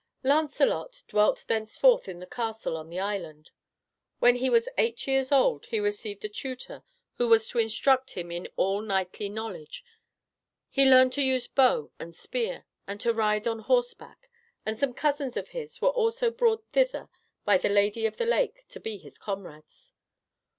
Lancelot dwelt thenceforward in the castle, on the island. When he was eight years old he received a tutor who was to instruct him in all knightly knowledge; he learned to use bow and spear and to ride on horseback, and some cousins of his were also brought thither by the Lady of the Lake to be his comrades.